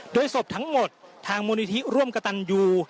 โดยศพทั้งหมดทางมูลนิธิร่วมกระตันยู